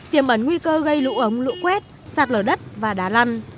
tiếm ẩn nguy cơ gây lũ ấm lũ quét sạt lở đất và đá lăn